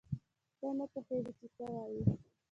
ته نه پوهېږې چې څه وایې.